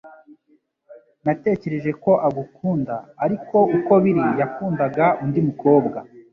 Natekereje ko agukunda ariko uko biri yakundaga undi mukobwa